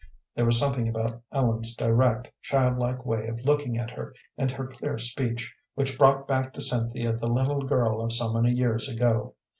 There was something about Ellen's direct, childlike way of looking at her, and her clear speech, which brought back to Cynthia the little girl of so many years ago.